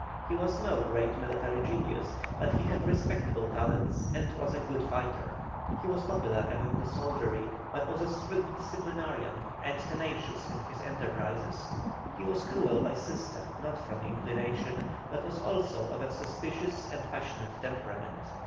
He was no great military genius, but he had respectable talents and was a good fighter. He was popular among the soldiery, but was a strict disciplinarian, and tenacious in his enterprises. He was cruel by system, not from inclination, but was also of a suspicious and passionate temperament.